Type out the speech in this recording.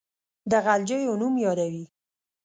د غلجیو نوم یادوي.